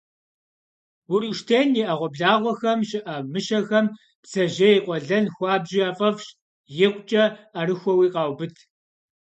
Уруштен и Ӏэгъуэблагъэхэм щыӀэ мыщэхэм бдзэжьей къуэлэн хуабжьу яфӀэфӀщ, икъукӀэ Ӏэрыхуэуи къаубыд.